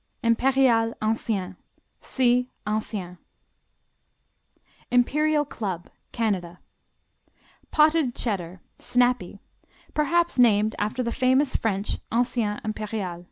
Impérial, Ancien see Ancien. Imperial Club Canada Potted Cheddar; snappy; perhaps named after the famous French Ancien Impérial.